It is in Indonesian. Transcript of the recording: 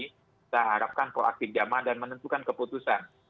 kita harapkan proaktif jamaah dan menentukan keputusan